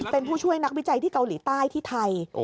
เป็นผู้ช่วยนักวิจัยที่เกาหลีใต้ที่ไทย